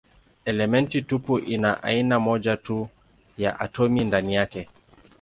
Elementi tupu ina aina moja tu ya atomi ndani yake.